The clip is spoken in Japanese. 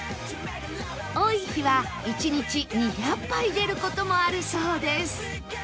多い日は１日２００杯出る事もあるそうです